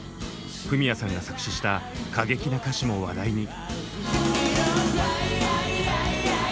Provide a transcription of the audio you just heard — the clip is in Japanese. フミヤさんが作詞した過激な歌詞も話題に。